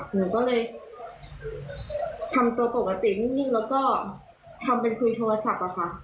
หนูก็เลยทำตัวปกตินิ่งแล้วก็ทำเป็นคุยโทรศัพท์อะค่ะ